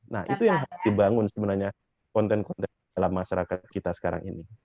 nah itu yang harus dibangun sebenarnya konten konten dalam masyarakat kita sekarang ini